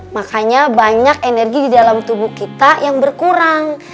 makanya banyak energi di dalam tubuh kita yang berkurang